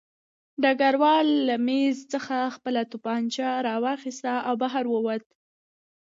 ډګروال له مېز څخه خپله توپانچه راواخیسته او بهر ووت